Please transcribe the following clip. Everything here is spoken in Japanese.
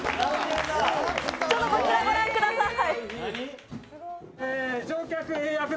こちらをご覧ください。